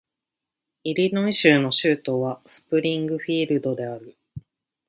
イリノイ州の州都はスプリングフィールドである